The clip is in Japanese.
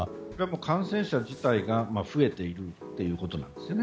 感染者自体が増えているということなんですね。